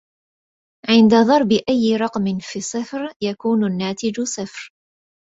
عند ضرب أي رقم في صفر يكون الناتج صفر